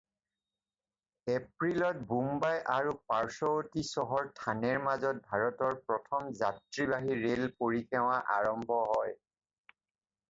এপ্ৰিলত বোম্বাই আৰু পাৰ্শ্বৱৰ্তী চহৰ থানেৰ মাজত ভাৰতৰ প্ৰথম যাত্ৰীবাহী ৰেল পৰিসেৱা আৰম্ভ হয়।